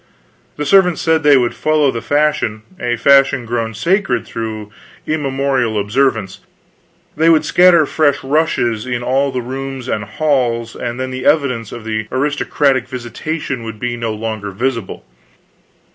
The servants said they would follow the fashion, a fashion grown sacred through immemorial observance; they would scatter fresh rushes in all the rooms and halls, and then the evidence of the aristocratic visitation would be no longer visible.